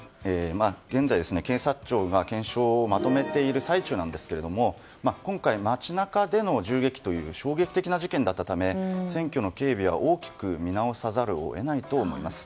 現在、警察庁が検証をまとめている最中なんですが今回、街中での銃撃という衝撃的な事件だったため選挙の警備は大きく見直さざるを得ないと思います。